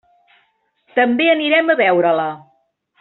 També anirem a veure-la.